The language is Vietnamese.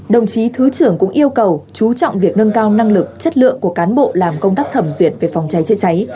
đồng chí thứ trưởng cũng yêu cầu chú trọng việc nâng cao năng lực chất lượng của cán bộ làm công tác thẩm duyệt về phòng cháy chữa cháy